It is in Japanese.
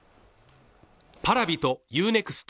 ＰａｒａｖｉとＵ−ＮＥＸＴ